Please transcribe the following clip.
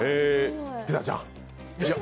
ピザちゃん。